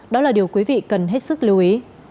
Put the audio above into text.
đó là điều quý vị cần hết sức lưu ý